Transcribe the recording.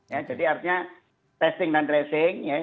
ya jadi artinya testing dan tracing